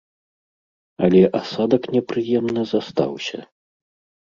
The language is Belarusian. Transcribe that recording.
Але асадак непрыемны застаўся.